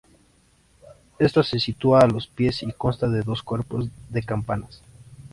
Ésta se sitúa a los pies y consta de dos cuerpos de campanas.